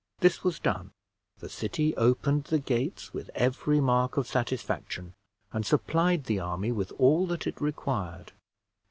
This was done; the city opened the gates with every mark of satisfaction, and supplied the army with all that it required.